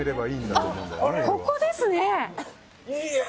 ここですね。